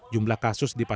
jumlah kasus dipakai